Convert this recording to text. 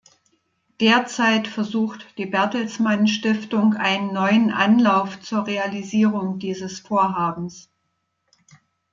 Derzeit versucht die Bertelsmann Stiftung einen neuen Anlauf zur Realisierung dieses Vorhabens.